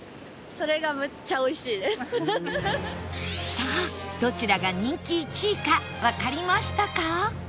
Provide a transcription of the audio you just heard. さあどちらが人気１位かわかりましたか？